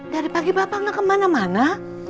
dari pagi bapak nggak kemana mana